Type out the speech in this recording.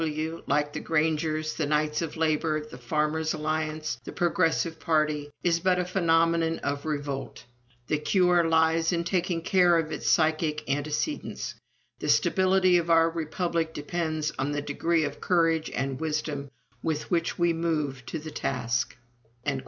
W., like the Grangers, the Knights of Labor, the Farmers' Alliance, the Progressive Party, is but a phenomenon of revolt. The cure lies in taking care of its psychic antecedents; the stability of our Republic depends on the degree of courage and wisdom with which we move to the task."